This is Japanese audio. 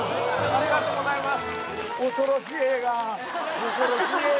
ありがとうございます！